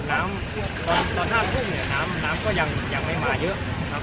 น้ำตอนท่านพุ่งน้ำก็ยังไม่มาเยอะครับ